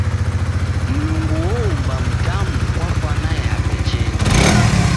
Mlungu oumba mdamu kwa fwana yape cheni.